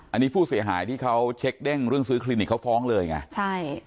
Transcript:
อันนี้ผู้เสียหายที่เขาเช็คเด้งเรื่องซื้อคลินิกเขาฟ้องเลยไงใช่